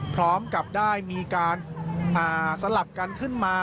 พร้อมกับได้มีการสลับกันขึ้นมา